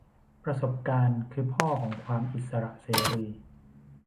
ประสบการณ์คือพ่อของความอิสระเสรี